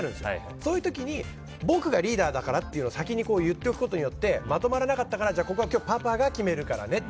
そういう時に僕がリーダーだからっていうのを先に言っておくことによってまとまらなかったから今日はパパが決めるからねって。